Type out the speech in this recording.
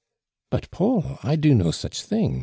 "But, Paul, I do no suph thing